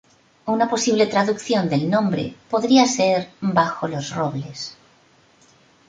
Una posible traducción del nombre podría ser "bajo los robles".